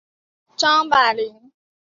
张百麟。